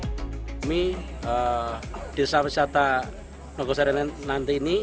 kami desa wisata nogo saren nanti ini